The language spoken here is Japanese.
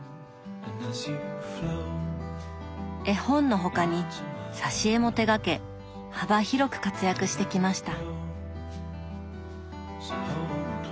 絵本の他に挿絵も手がけ幅広く活躍してきました。